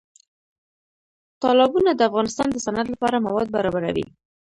تالابونه د افغانستان د صنعت لپاره مواد برابروي.